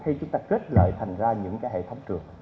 khi chúng ta kết lợi thành ra những cái hệ thống trường